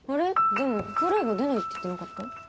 でも『風来坊』出ないって言ってなかった？